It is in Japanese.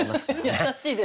優しいです。